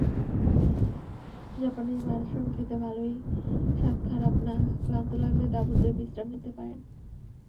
Japanese version খেতে ভালোই স্বাদ খারাপ না ক্লান্ত লাগলে তাবুতে বিশ্রাম নিতে পারেন।